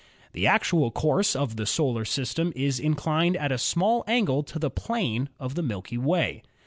The actual course of the solar system is inclined at a small angle to the plane of the Milky Way.